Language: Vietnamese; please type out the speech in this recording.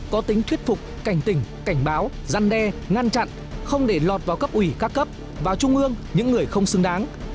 có tính thuyết phục cảnh tình cảnh báo giăn đe ngăn chặn không để lọt vào cấp ủy các cấp vào trung ương những người không xứng đáng